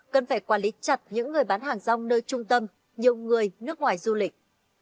cần phải quản lý chặt những người bán hàng rong nơi trung tâm nhiều người nước ngoài du lịch